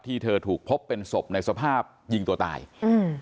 เธอถูกพบเป็นศพในสภาพยิงตัวตายอืม